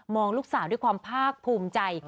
ลูกสาวด้วยความภาคภูมิใจ